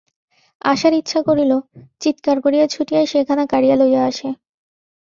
আশার ইচ্ছা করিল, চীৎকার করিয়া ছুটিয়া সেখানা কাড়িয়া লইয়া আসে।